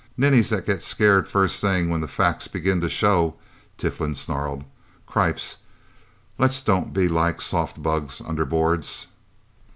"Ninnies that get scared first thing, when the facts begin to show!" Tiflin snarled. "Cripes let's don't be like soft bugs under boards!"